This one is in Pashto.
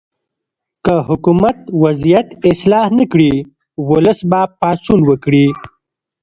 که حکومت وضعیت اصلاح نه کړي، ولس به پاڅون وکړي.